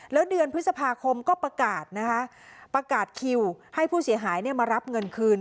แล้วเดือนพฤษภาคมก็ประกาศนะคะประกาศคิวให้ผู้เสียหายมารับเงินคืน